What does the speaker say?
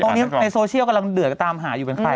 ตอนนี้ในโซเชียลกำลังเดือดตามหาอยู่เป็นใคร